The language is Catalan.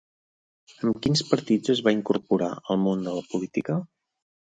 Amb quins partits es va incorporar al món de la política?